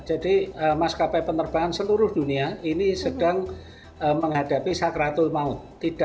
jadi maskapai penerbangan seluruh dunia ini sedang menghadapi sakratul maut